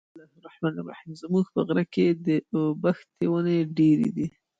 زموږ په غره کي د اوبښتي وني ډېري دي.